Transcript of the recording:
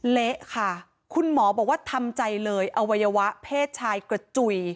เละค่ะคุณหมอบอกว่าทำใจเลยอวัยวะเพศชายกระจุย